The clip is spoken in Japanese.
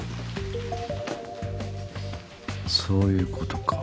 そういうことか。